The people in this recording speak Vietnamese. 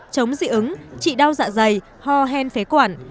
chống dị ứng trị đau dạ dày ho hen phế quản